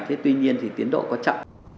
thế tuy nhiên thì tiến độ có chậm